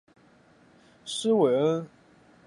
施韦因多夫是德国下萨克森州的一个市镇。